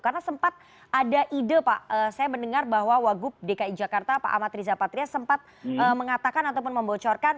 karena sempat ada ide pak saya mendengar bahwa wagub dki jakarta pak amat riza patria sempat mengatakan ataupun membocorkan